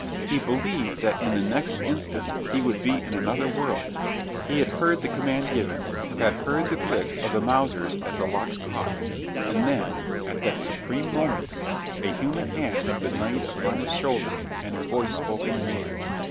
He believed that in the next instant he would be in another world; he had heard the command given, had heard the click of the Mausers as the locks caught and then, at that supreme moment, a human hand had been laid upon his shoulder and a voice spoke in his ear.